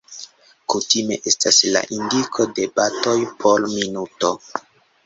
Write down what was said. Kutime estas la indiko de batoj por minuto.